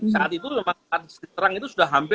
saat itu memang terang itu sudah hampir